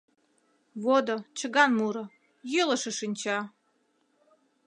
Водо, чыган муро, Йӱлышӧ шинча.